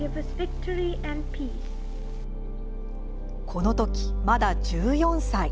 このとき、まだ１４歳。